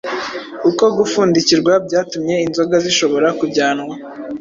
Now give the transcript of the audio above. uko gufundikirwa byatumye inzoga zishobora kujyanwa